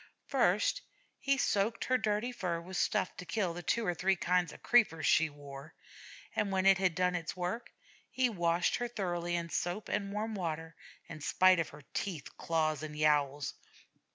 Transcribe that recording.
First, he soaked her dirty fur with stuff to kill the two or three kinds of creepers she wore; and, when it had done its work, he washed her thoroughly in soap and warm water, in spite of her teeth, claws, and yowls.